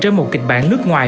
trên một kịch bản nước ngoài